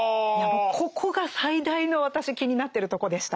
ここが最大の私気になってるとこでした。